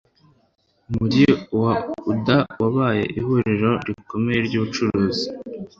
umugi wa Ouidah wabaye ihuriro rikomeye ry'ubucuruzi